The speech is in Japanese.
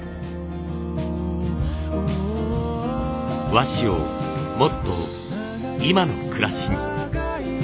和紙をもっと今の暮らしに。